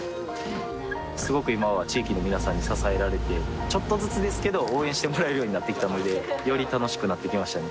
すごく今は地域の皆さんに支えられてちょっとずつですけど応援してもらえるようになってきたのでより楽しくなってきましたね